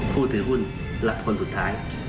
ผู้ถือหุ้นหลักคนสุดท้าย